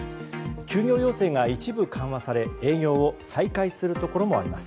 休業要請が一部緩和され営業を再開するところもあります。